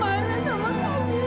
ayah jangan pergi